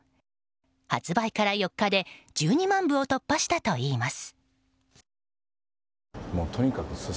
発売から４日で１２万部を突破したといいます。